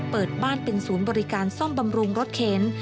เปิดบ้านเป็นศูนย์บริการซ่อมบำรุงรถเข็น